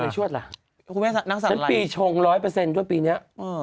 ฉันปีชง๑๐๐ช่วงปีเนี้ย